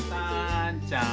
燦ちゃん。